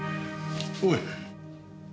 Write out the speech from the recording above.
おい。